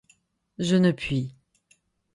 Je ne puis.